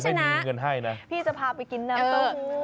พี่ชนะพี่จะพาไปกินน้ำเต้าหู้